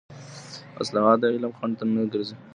اصطلاحات د علم خنډ نه ګرځي.